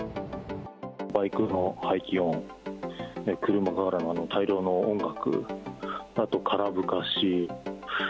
バイクの排気音、車からの大量の音楽、あと、空ぶかし。